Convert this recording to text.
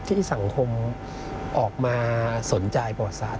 ที่สังคมออกมาสนใจป่อสะอาด